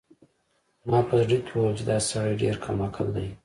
ما په زړه کې وویل چې دا سړی ډېر کم عقل دی.